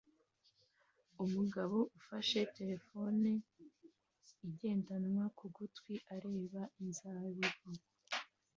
Umugabo ufashe terefone igendanwa ku gutwi areba inzabibu